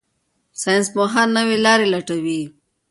ساینسپوهان نوې لارې لټوي.